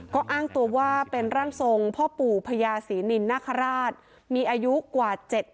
ก็อ้างตัวว่าเป็นร่างทรงพ่อปู่พระยาศีนินทร์นาฆราช